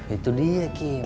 itu dia kim